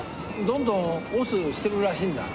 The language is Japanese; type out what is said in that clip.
どんどん押忍してるらしいんだ。